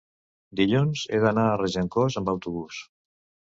dilluns he d'anar a Regencós amb autobús.